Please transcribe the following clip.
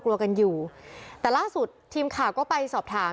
เพราะถ้าไม่ฉีดก็ไม่ได้